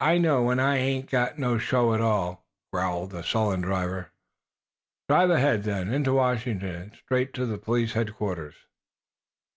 "I know when I ain't got no show at all," growled the sullen driver. "Drive ahead, then into Washington, and straight to police headquarters."